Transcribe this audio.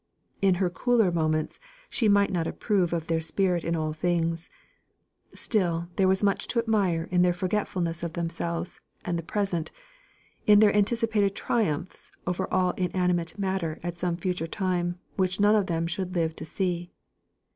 If in her cooler moments she might not approve of the spirit in all things, still there was much to admire in their forgetfulness of themselves and the present, in their anticipated triumphs over all inanimate matter at some future time which none of them would live to see.